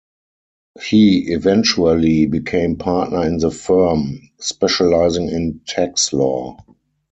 He eventually became partner in the firm, specializing in tax law.